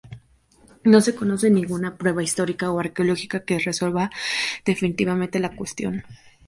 No se conoce ninguna prueba histórica o arqueológica que resuelva definitivamente la cuestión.